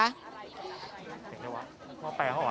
เห็นไหมวะมอบแปงเหรอวะ